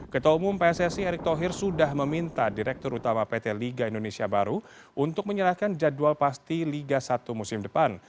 ketua umum pssi erick thohir sudah meminta direktur utama pt liga indonesia baru untuk menyerahkan jadwal pasti liga satu musim depan